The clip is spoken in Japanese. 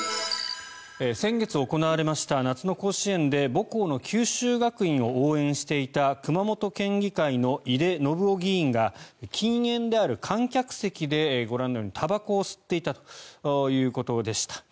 先月行われた夏の甲子園で母校の九州学院を応援していた熊本県議会の井手順雄県議が禁煙である観客席でご覧のように、たばこを吸っていたということでした。